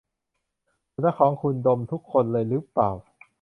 สุนัขของคุณดมทุกคนเลยรึเปล่า ?